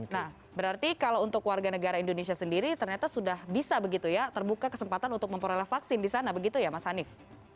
nah berarti kalau untuk warga negara indonesia sendiri ternyata sudah bisa begitu ya terbuka kesempatan untuk memperoleh vaksin di sana begitu ya mas hanif